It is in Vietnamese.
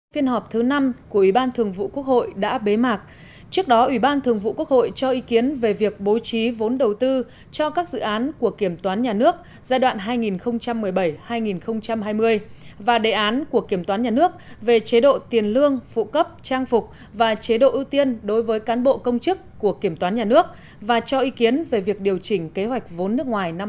phiên họp thứ năm của ủy ban thường vụ quốc hội đã bế mạc trước đó ủy ban thường vụ quốc hội cho ý kiến về việc bố trí vốn đầu tư cho các dự án của kiểm toán nhà nước giai đoạn hai nghìn một mươi bảy hai nghìn hai mươi và đề án của kiểm toán nhà nước về chế độ tiền lương phụ cấp trang phục và chế độ ưu tiên đối với cán bộ công chức của kiểm toán nhà nước và cho ý kiến về việc điều chỉnh kế hoạch vốn nước ngoài năm hai nghìn một mươi sáu